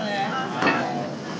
はい。